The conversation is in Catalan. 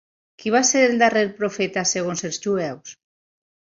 Qui va ser el darrer profeta segons els jueus?